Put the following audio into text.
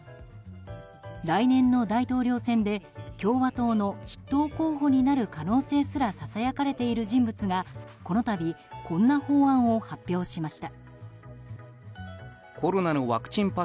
来年の大統領選で共和党の筆頭候補になる可能性すらささやかれている人物がこの度こんな法案を発表しました。